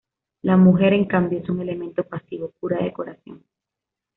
La mujer, en cambio, es un elemento pasivo, pura decoración.